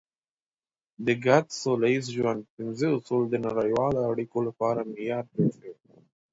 د ګډ سوله ییز ژوند پنځه اصول د نړیوالو اړیکو لپاره معیار جوړ شوی.